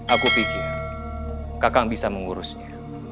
aku pikir kakak bisa mengurusnya